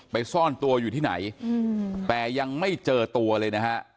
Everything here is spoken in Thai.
ซ่อนตัวอยู่ที่ไหนแต่ยังไม่เจอตัวเลยนะฮะ